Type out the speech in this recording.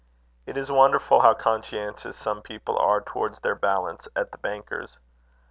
It is wonderful how conscientious some people are towards their balance at the banker's.